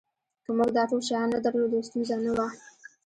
که موږ دا ټول شیان نه درلودل ستونزه نه وه